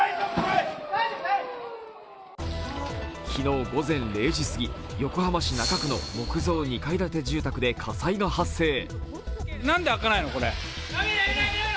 昨日午前０時過ぎ、横浜市中区の木造２階建て住宅で火災が発生。